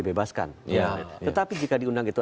bebaskan tetapi jika diundang itu